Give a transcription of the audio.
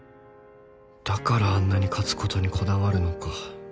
だからあんなに勝つことにこだわるのか